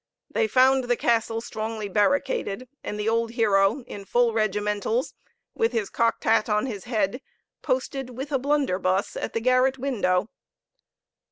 They found the castle strongly barricaded, and the old hero in full regimentals, with his cocked hat on his head, posted with a blunderbuss at the garret window.